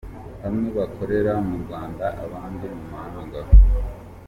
Bamwe bakorera mu Rwanda, abandi mu mahanga.